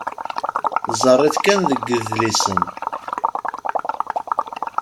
Tezzar-it kan deg yidlisen.